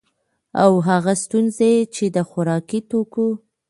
او هغه ستونزي چي د خوراکي توکو